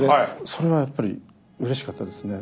それはやっぱりうれしかったですね。